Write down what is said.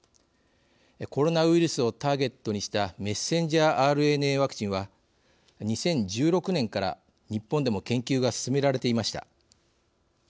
コロナウイルスをターゲットにしたメッセンジャーＲＮＡワクチンは２０１６年から日本でも研究が進められていました。